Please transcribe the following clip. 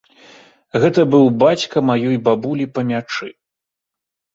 Гэта быў бацька маёй бабулі па мячы.